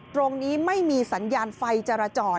ตรงนี้ไม่มีสัญญาณไฟจราจร